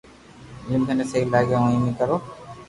جيم ٿني سھي لاگي ھون ايم اي ڪرو